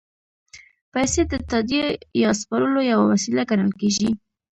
پیسې د تادیې یا سپارلو یوه وسیله ګڼل کېږي